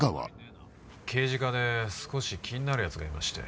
刑事課で少し気になる奴がいまして。